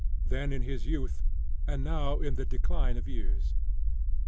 then in his youth, and now in the decline of years.